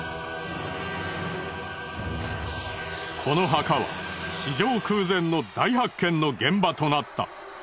この墓は史上空前の大発見の現場となった。